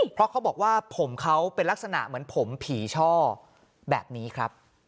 เพราะเขาบอกว่าผมเขาเป็นลักษณะเหมือนผมผีช่อแบบนี้ครับ